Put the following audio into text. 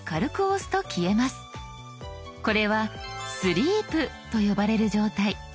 これは「スリープ」と呼ばれる状態。